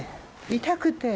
痛くて。